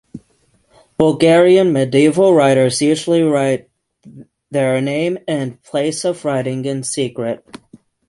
Bulgarian medieval writers usually write their name and place of writing in secret.